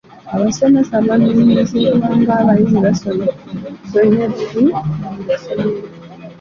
Abasomesa banenyezebwa ng'abayizi basomye bubi mu masomero.